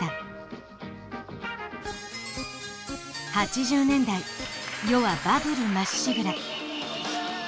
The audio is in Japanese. ８０年代世はバブルまっしぐら。